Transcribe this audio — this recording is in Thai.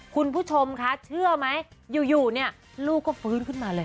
คุณผู้ชมคะเชื่อไหมอยู่เนี่ยลูกก็ฟื้นขึ้นมาเลย